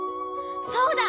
そうだ！